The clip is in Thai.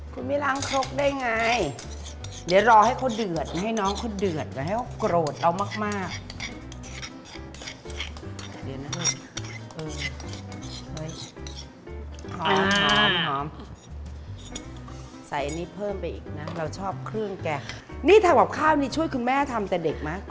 คุณไม่ล้างครกได้ไงเดี๋ยวรอให้เขาเดือดให้น้องเขาเดือดไว้ให้เขาโกรธเรามาก